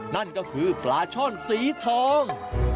นั่นก็คือปลาช่อนสีทอง